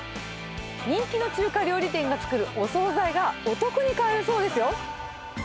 人気の中華料理店が作るお総菜がお得に買えるそうですよ。